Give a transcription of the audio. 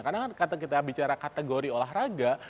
karena kan kita bicara kategori olahraga